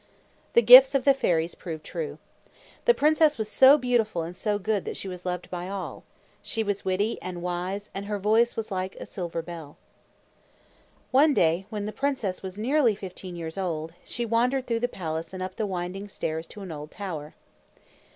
The gifts of the fairies proved true. The princess was so beautiful and so good that she was loved by all. She was witty and wise and her voice was like a silver bell. One day, when the princess was nearly fifteen years old, she wandered through the palace and up the winding stairs to an old tower.